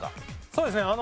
そうですね。